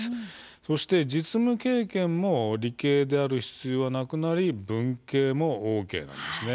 そして、実務経験も理系である必要はなくなり文系もＯＫなんです。